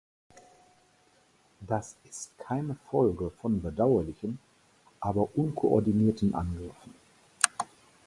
Das ist keine Folge von bedauerlichen aber unkoordinierten Angriffen.